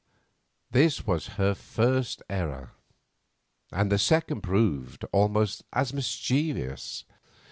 This was her first error, and the second proved almost as mischievous.